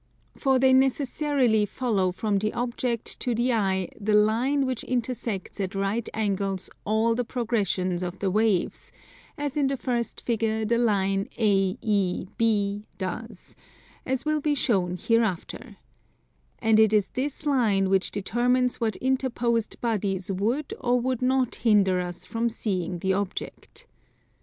For they necessarily follow from the object to the eye the line which intersects at right angles all the progressions of the waves, as in the first figure the line AEB does, as will be shown hereafter; and it is this line which determines what interposed bodies would or would not hinder us from seeing the object.